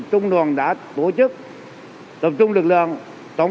trong các ngày tiệc chiến mạnh tại tp hcm